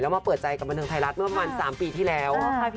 มาเปิดใจกับบันเทิงไทยรัฐเมื่อประมาณ๓ปีที่แล้ว